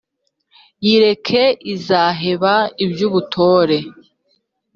yireke izaheba iby'ubutore